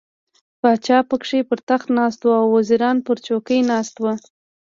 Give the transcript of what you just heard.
پاچا پکې پر تخت ناست و، وزیران پر څوکیو ناست وو.